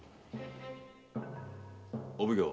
お奉行。